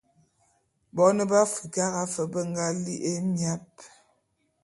Bone be Afrikara fe be nga li'i émiap.